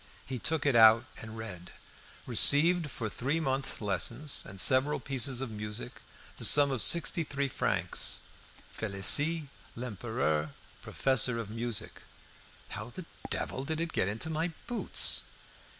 He took it out and read "Received, for three months' lessons and several pieces of music, the sum of sixty three francs. Felicie Lempereur, professor of music." "How the devil did it get into my boots?"